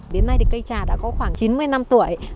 đến nay thì cây trà đã có khoảng chín mươi năm tuổi